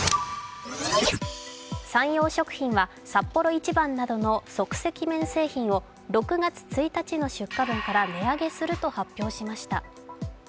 サンヨー食品はサッポロ一番などの即席麺製品を６月１日の出荷分から値上げすると発表しました。